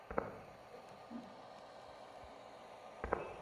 পাকিস্তানি সেনাদের হুমকির কারণে স্থানীয় গ্রামবাসী তাঁর লাশ কবর দিতে পারেননি।